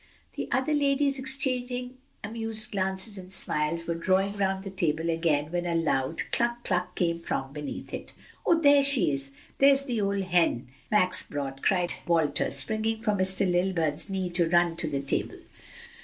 The other ladies exchanging amused glances and smiles, were drawing round the table again when a loud "cluck, cluck" came from beneath it. "Oh, there she is! there's the old hen Max brought!" cried Walter, springing from Mr. Lilburn's knee to run to the table.